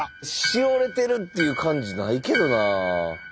しおれてるっていう感じないけどな。